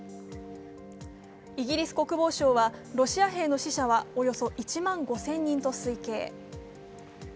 イギリス国防省は、ロシア兵の死者はおよそ１万５０００人と推計。